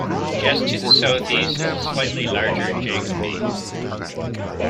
Just to the southeast is the slightly larger Jacobi.